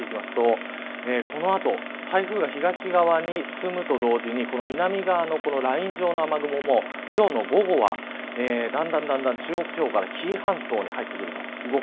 この後、台風が東側に進むと同時に南側のライン状の雨雲も今日の午後はだんだん中国地方から紀伊半島に入ってくる。